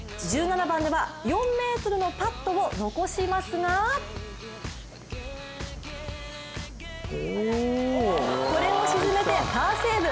１７番では４ｍのパットを残しますがこれを沈めてパーセーブ。